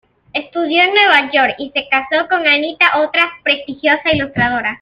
Estudió en Nueva York y se casó con Anita, otra prestigiosa ilustradora.